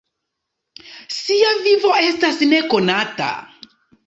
Sia vivo estas nekonata.